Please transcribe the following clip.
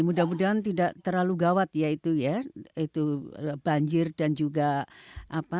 mudah mudahan tidak terlalu gawat ya itu ya itu banjir dan juga apa